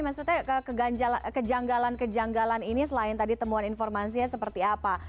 maksudnya kejanggalan kejanggalan ini selain tadi temuan informasinya seperti apa